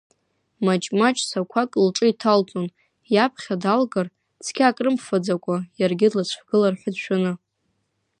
Маҷ-маҷ сақәак лҿы инҭалҵон, иаԥхьа далгар, цқьа акрымфаӡакәа, иаргьы длыцәгылар ҳәа дшәаны.